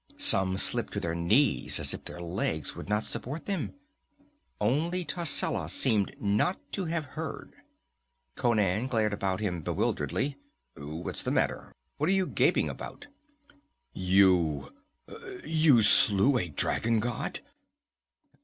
Some slipped to their knees as if their legs would not support them. Only Tascela seemed not to have heard. Conan glared about him bewilderedly. "What's the matter? What are you gaping about?" "You you slew the dragon god?"